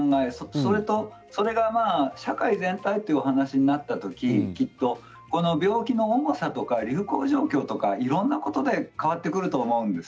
それと、それが社会全体というお話しになったときにきっとこの病気の重さとか流行状況とかいろんなことで変わってくると思うんです。